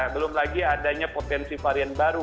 belum lagi adanya potensi varian baru